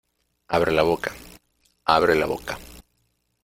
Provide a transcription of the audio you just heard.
abre la boca. abre la boca .